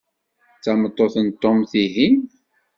D tameṭṭut n Tom, tihin?